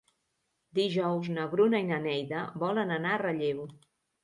Dijous na Bruna i na Neida volen anar a Relleu.